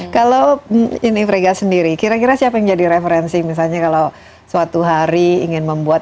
kalau ini vega sendiri kira kira siapa yang jadi referensi misalnya kalau suatu hari ingin membuat